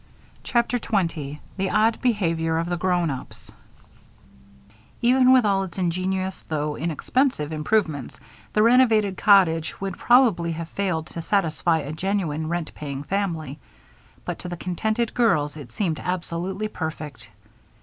CHAPTER 20 The Odd Behavior of the Grown ups Even with all its ingenious though inexpensive improvements, the renovated cottage would probably have failed to satisfy a genuine rent paying family, but to the contented girls it seemed absolutely perfect.